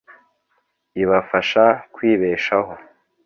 ibafasha kwibeshaho